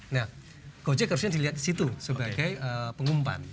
nah gojek harusnya dilihat di situ sebagai pengumpan